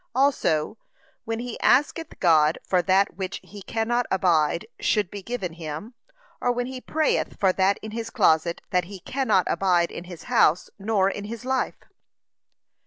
Also, when he asketh God for that which he cannot abide should be given him, or when he prayeth for that in his closet, that he cannot abide in his house, nor in his life.